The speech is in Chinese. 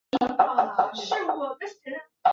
同时主动退了学。